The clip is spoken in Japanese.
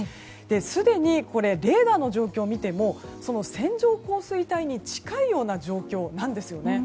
すでにレーダーの状況を見ても線状降水帯に近いような状況なんですよね。